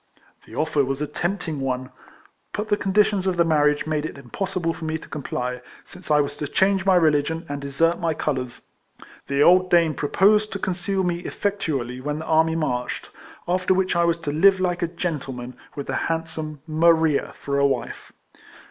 The oifer was a tempting one ; but the conditions of the marriage made it RIFLEMAN HARRIS. 103 impossible for me to comply, since I was to change my religion, and desert my colours. The old dame proposed to conceal me effectually when the army marched; after which I was to live like a gentleman, with the handsome Maria for a wife.